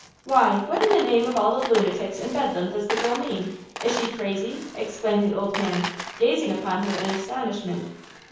"Why, what in the name of all the lunatics in Bedlam does the girl mean? Is she crazy?" exclaimed the old man, gazing upon her in astonishment.